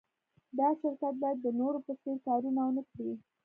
دا شرکت باید د نورو په څېر کارونه و نهکړي